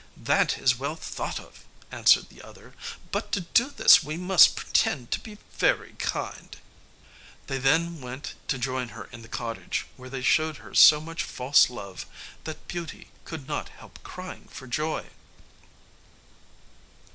"That is well thought of," answered the other, "but to do this we must pretend to be very kind." They then went to join her in the cottage, where they showed her so much false love that Beauty could not help crying for joy.